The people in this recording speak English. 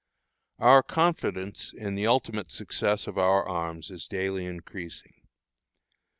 Our confidence in the ultimate success of our arms is daily increasing.